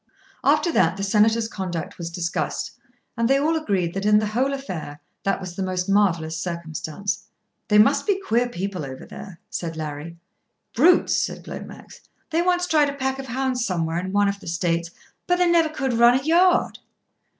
After that the Senator's conduct was discussed, and they all agreed that in the whole affair that was the most marvellous circumstance. "They must be queer people over there," said Larry. "Brutes!" said Glomax. "They once tried a pack of hounds somewhere in one of the States, but they never could run a yard."